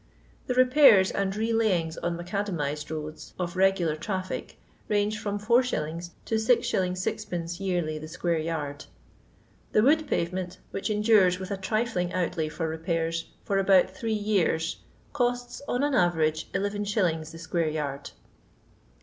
The repairs and re layings on macadamized roads of regular traffic range from 4s. to 6s. 6d. yearly, the square yard. The wood payement, which endures, with a trifling outlay for repairs, for about three years, costs, on an ayerage, lis. the square yard.